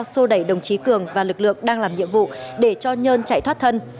xô đẩy đồng chí cường và lực lượng đang làm nhiệm vụ để cho nhân chạy thoát thân